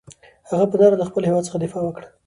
هغه په نره له خپل هېواد څخه دفاع وکړه.